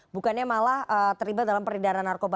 bukannya malah terlibat dalam peredaran narkoba